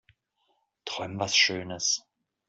Träum was schönes.